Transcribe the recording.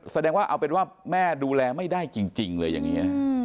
แสดงว่าแม่ดูแลไม่ได้จริงเหมือนงี้